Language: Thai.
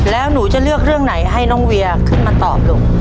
แล้วหนูจะเลือกเรื่องไหนให้น้องเวียขึ้นมาตอบลูก